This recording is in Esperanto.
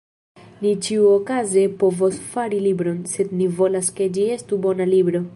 Ni ĉiuokaze povos fari libron, sed ni volas ke ĝi estu bona libro.